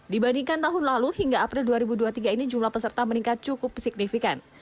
dibandingkan tahun lalu hingga april dua ribu dua puluh tiga ini jumlah peserta meningkat cukup signifikan